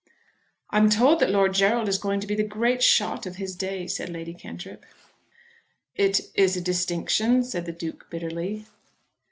"I'm told that Lord Gerald is going to be the great shot of his day," said Lady Cantrip. "It is a distinction," said the Duke bitterly.